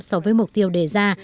so với mục tiêu đề ra